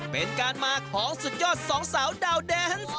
เป็นการมาของสุดยอดสองสาวดาวแดนส์